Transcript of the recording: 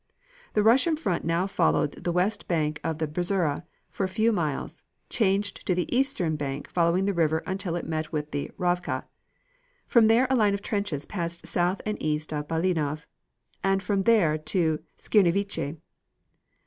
The Russian front now followed the west bank of the Bzura for a few miles, changed to the eastern bank following the river until it met with the Rawka, from there a line of trenches passed south and east of Balinov and from there to Skiernievice.